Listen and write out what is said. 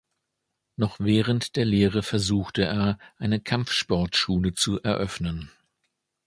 Noch während der Lehre versuchte er, eine Kampfsportschule zu eröffnen.